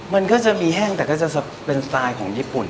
มันก็จะมีแห้งแต่ก็จะเป็นสไตล์ของญี่ปุ่น